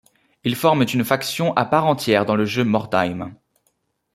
Ils forment une faction à part entière dans le jeu Mordheim.